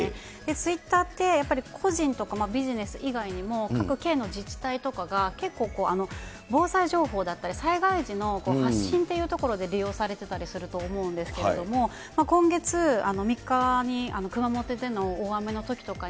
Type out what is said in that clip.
ツイッターって、やっぱり個人とかビジネス以外にも、県の自治体とかが結構、防災情報だったり、災害時の発信というところで、利用されてたりすると思うんですけれども、今月３日に熊本での大雨のときとかに。